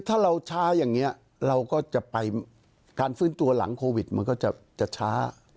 ถ้าเราช้าอย่างนี้เราก็จะไปการฟื้นตัวหลังโควิดมันก็จะช้า